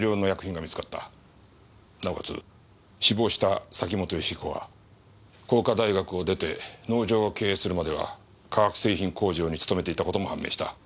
なおかつ死亡した崎本善彦は工科大学を出て農場を経営するまでは化学製品工場に勤めていた事も判明した。